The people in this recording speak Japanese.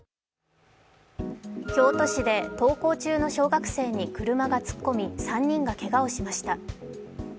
京都市で登校中の小学生に車が突っ込み、３人がけがをしました。